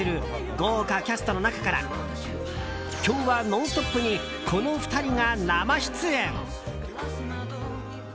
豪華キャストの中から今日は「ノンストップ！」にこの２人が生出演。